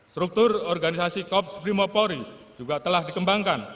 struktur organisasi kops brimopori juga telah dikembangkan